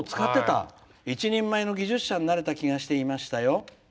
「一人前の技術者になれた気がしていましたよ。